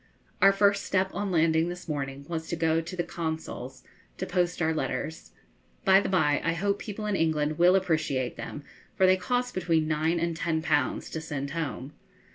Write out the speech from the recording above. Our first step on landing this morning was to go to the Consul's to post our letters. By the bye, I hope people in England will appreciate them, for they cost between nine and ten pounds to send home.